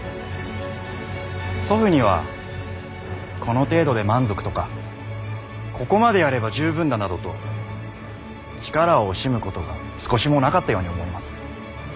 祖父にはこの程度で満足とかここまでやれば十分だなどと力を惜しむことが少しもなかったように思います。